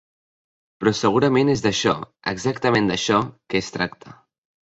Però segurament és d’això, exactament d’això, que es tracta.